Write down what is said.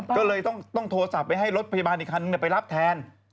ก็เลยต้องโทรศัพท์ไปให้รถพยาบาลอีกคันนึงไปรับแทน